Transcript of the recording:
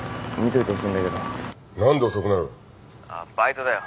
あっバイトだよ。